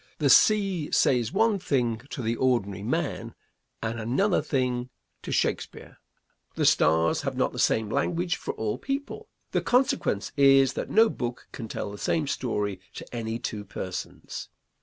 The sea says one thing to the ordinary man, and another thing to Shakespeare. The stars have not the same language for all people. The consequence is that no book can tell the same story to any two persons.